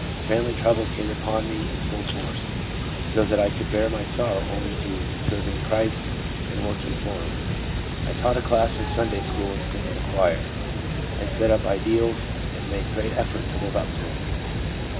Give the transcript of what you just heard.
Family troubles came upon me in full force, so that I could bear my sorrow only through serving Christ and working for Him. I taught a class in Sunday school and sang in the choir ; I set up ideals and made great effort to live up to them.